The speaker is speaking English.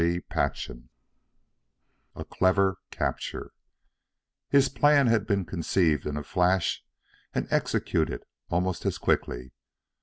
CHAPTER XIX A CLEVER CAPTURE His plan had been conceived in a flash and executed almost as quickly.